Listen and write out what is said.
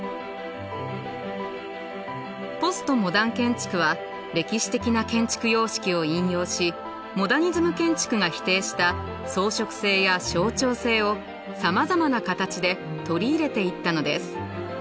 ポストモダン建築は歴史的な建築様式を引用しモダニズム建築が否定した装飾性や象徴性をさまざまな形で取り入れていったのです。